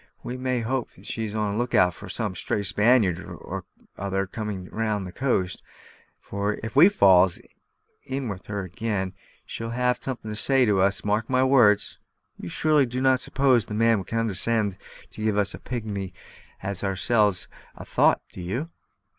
We must hope she's on the look out for some stray Spaniard or other coming down the coast; for if we falls in with her ag'in, she'll have some'at to say to us, mark my words." "You surely do not suppose the man will condescend to give such a pigmy as ourselves a thought, do you?"